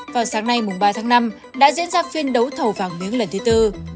vào sáng nay mùng ba tháng năm đã diễn ra phiên đấu thầu vàng miếng lần thứ tư